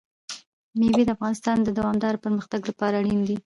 مېوې د افغانستان د دوامداره پرمختګ لپاره اړین دي.